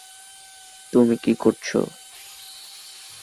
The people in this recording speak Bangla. যা দিল্লির ইন্ডিয়ান আর্কাইভে সংরক্ষিত আছে।